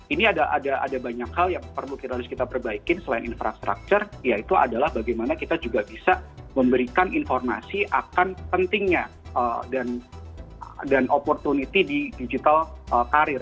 ini ada banyak hal yang perlu kita harus kita perbaikin selain infrastruktur yaitu adalah bagaimana kita juga bisa memberikan informasi akan pentingnya dan opportunity di digital carrier